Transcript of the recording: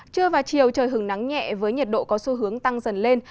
trưa và chiều trời hứng nắng nhẹ với nhiệt độ có xu hướng tăng dần lên